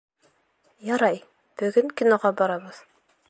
Ярай, бөгөн киноға барабыҙ.